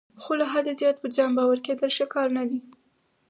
خو له حده زیات پر ځان باوري کیدل ښه کار نه دی.